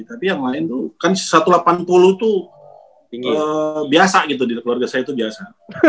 tapi yang lain tuh kan satu ratus delapan puluh tuh biasa gitu di keluarga saya itu biasa